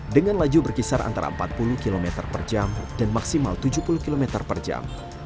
dengan laju berkisar antara empat puluh km per jam dan maksimal tujuh puluh km per jam